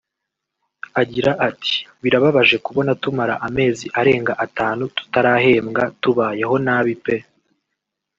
Agira ati “Birababaje kubona tumara amezi arenga atanu tutarahembwa tubayeho nabi pe